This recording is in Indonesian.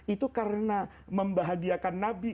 itu karena membahagiakan nabi